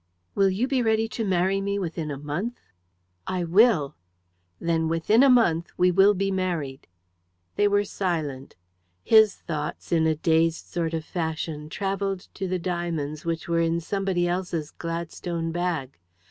"Will you be ready to marry me within a month?" "I will." "Then within a month we will be married." They were silent. His thoughts, in a dazed sort of fashion, travelled to the diamonds which were in somebody else's Gladstone bag.